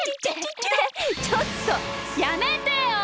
ちょっとやめてよ！